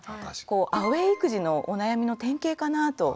アウェイ育児のお悩みの典型かなぁと思いました。